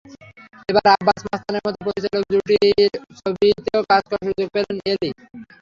এবার আব্বাস-মাস্তানের মতো পরিচালক জুটির ছবিতেও কাজ করার সুযোগ পেলেন এলি।